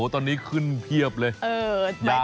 ตอนนี้ขึ้นเพียบเลย